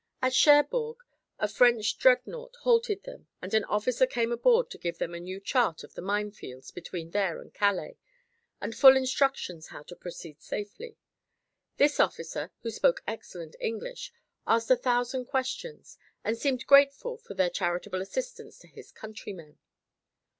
At Cherbourg a French dreadnaught halted them and an officer came aboard to give them a new chart of the mine fields between there and Calais and full instructions how to proceed safely. This officer, who spoke excellent English, asked a thousand questions and seemed grateful for their charitable assistance to his countrymen.